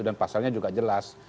dan pasalnya juga jelas